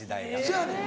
そやねん。